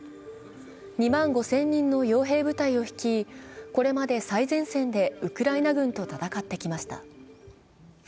２万５０００人のよう兵部隊を率いこれまで最前線でウクライナ軍と戦ってきました。